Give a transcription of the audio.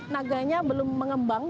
naganya belum mengembang